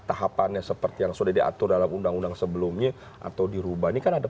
tahapannya seperti yang sudah diatur dalam undang undang sebelumnya atau dirubah ini kan ada